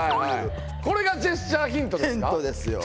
これがジェスチャーヒントですか？